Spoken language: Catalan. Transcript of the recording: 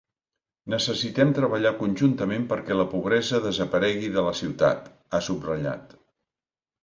Necessitem treballar conjuntament perquè la pobresa desaparegui de la ciutat, ha subratllat.